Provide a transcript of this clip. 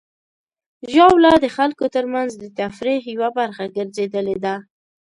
ژاوله د خلکو ترمنځ د تفریح یوه برخه ګرځېدلې ده.